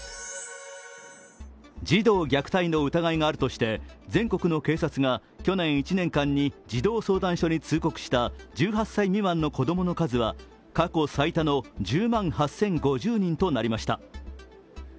児童虐待の疑いがあるとして全国の警察が去年１年間に児童相談所に通告した１８歳未満の子供の数は、過去最多の１０万８０５０人となりました。